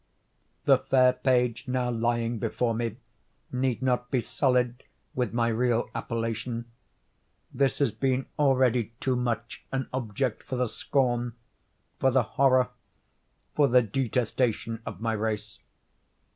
The fair page now lying before me need not be sullied with my real appellation. This has been already too much an object for the scorn—for the horror—for the detestation of my race.